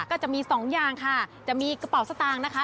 ก็จะมีสองอย่างค่ะจะมีกระเป๋าสตางค์นะคะ